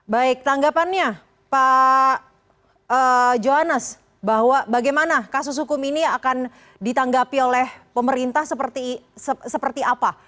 baik tanggapannya pak johannes bahwa bagaimana kasus hukum ini akan ditanggapi oleh pemerintah seperti apa